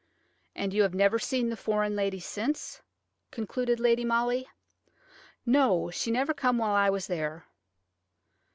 "And you have never seen the foreign lady since?" concluded Lady Molly. "No; she never come while I was there."